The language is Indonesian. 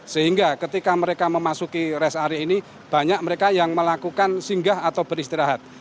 sehingga ketika mereka memasuki rest area ini banyak mereka yang melakukan singgah atau beristirahat